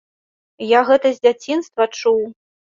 Я гэта з дзяцінства чуў.